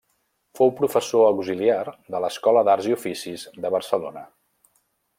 Fou professor auxiliar de l'Escola d'Arts i Oficis de Barcelona.